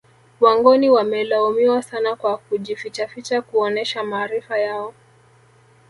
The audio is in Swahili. Wangoni wamelaumiwa sana kwa kujifichaficha kuonesha maarifa yao